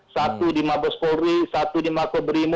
satu di mabos polri satu di mako berimu